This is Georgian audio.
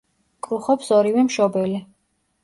კრუხობს ორივე მშობელი.